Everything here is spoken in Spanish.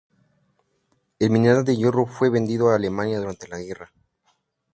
El mineral de hierro fue vendido a Alemania durante la guerra.